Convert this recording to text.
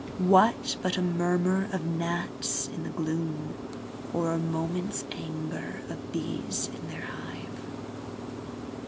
What but a murmur of gnats in the gloom, or a moment's anger of bees in their hive?